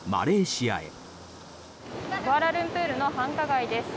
クアラルンプールの繁華街です。